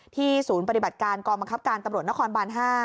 ศูนย์ปฏิบัติการกองบังคับการตำรวจนครบาน๕